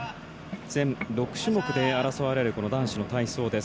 全６種目で争われる男子の体操です。